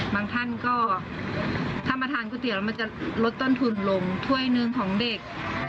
บางท่านก็ถ้ามาทานก๋วเตี๋ยแล้วมันจะลดต้นทุนลงถ้วยหนึ่งของเด็ก